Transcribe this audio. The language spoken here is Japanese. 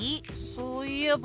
そういえば。